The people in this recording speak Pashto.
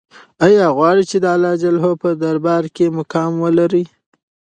آیا غواړې چې د الله په دربار کې مقام ولرې؟